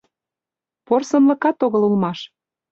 Порсынлыкат огыл улмаш